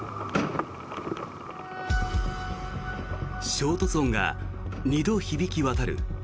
衝突音が２度響き渡る。